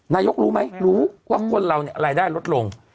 นายกรู้ไหมรู้ว่าคนเราเนี่ยรายได้ลดลง